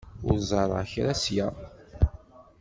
Ur ẓerreɣ kra ssya.